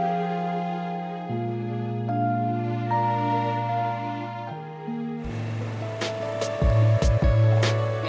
nanti berkabar lagi ya